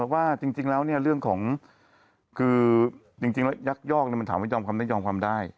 ว่าจริงแล้วเรื่องของคือจริงแล้วยักยอกมันถามว่ายอมความไม่ยอมความได้